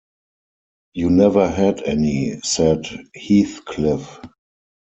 'You never had any,’ said Heathcliff.